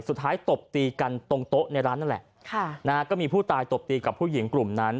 ตบตีกันตรงโต๊ะในร้านนั่นแหละค่ะนะฮะก็มีผู้ตายตบตีกับผู้หญิงกลุ่มนั้น